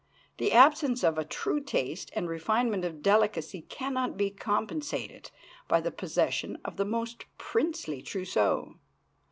The absence of a true taste and refinement of delicacy can not be compensated by the possession of the most princely trousseau.